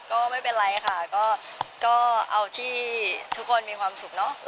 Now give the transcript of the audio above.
ก็ไม่เป็นไรค่ะก็เอาที่ทุกคนมีความสุขเนอะ